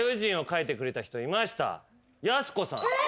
やす子さん。え！？